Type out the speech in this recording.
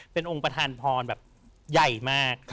เป็นองค์ประธานพรแบบใหญ่มาก